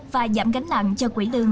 và giảm gánh nặng cho quỹ lương